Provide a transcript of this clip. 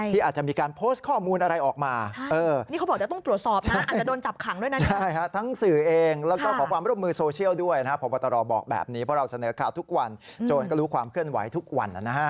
ที่อาจจะมีการโพสต์ข้อมูลอะไรออกมา